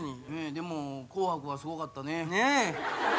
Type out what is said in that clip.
でも『紅白』はすごかったね。